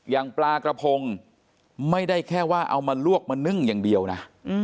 อย่างปลากระพงไม่ได้แค่ว่าเอามาลวกมานึ่งอย่างเดียวนะ